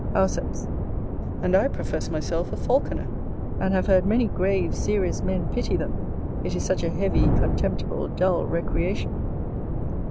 Auceps. And I profess myself a Falconer, and have heard many grave, serious men pity them, it is such a heavy, contemptible, dull recreation.